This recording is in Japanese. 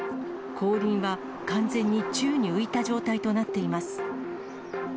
後輪は完全に宙に浮いた状態となっています。